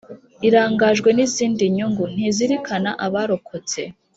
Irangajwe n’izindi nyungu, Ntizirikana abarokotse,